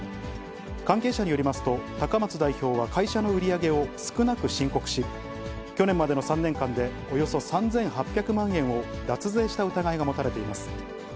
関係者によりますと、高松代表は会社の売り上げを少なく申告し、去年までの３年間でおよそ３８００万円を脱税した疑いが持たれています。